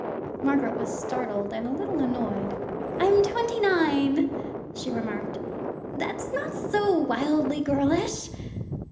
Margaret was startled and a little annoyed. "I'm twenty nine," she remarked. "That not so wildly girlish."